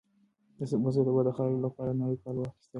زه به سبا د خپل ورور لپاره نوي کالي واخیستل.